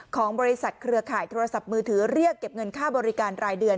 ของบริษัทเครือข่ายโทรศัพท์มือถือเรียกเก็บเงินค่าบริการรายเดือน